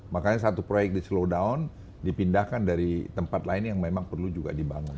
makanya satu proyek di slow down dipindahkan dari tempat lain yang memang perlu juga dibangun